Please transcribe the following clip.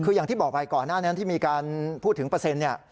คืออย่างที่บอกไปก่อนหน้านั้นที่มีการพูดถึงเปอร์เซ็นต์เนี่ย